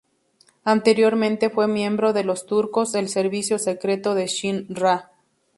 Anteriormente fue miembro de Los Turcos, el servicio secreto de Shin-Ra.